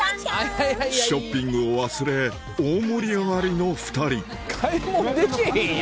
ショッピングを忘れ大盛り上がりの２人そうだよ。